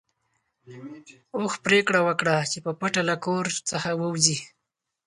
اوښ پرېکړه وکړه چې په پټه له کور څخه ووځي.